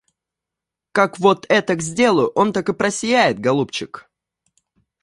Как вот этак сделаю, он так и просияет, голубчик.